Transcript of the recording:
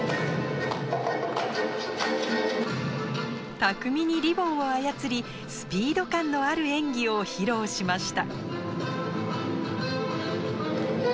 巧みにリボンを操りスピード感のある演技を披露しました。